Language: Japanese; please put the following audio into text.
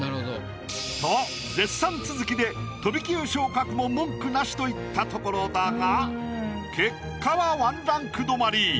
と絶賛続きで飛び級昇格も文句なしといったところだが結果は１ランク止まり。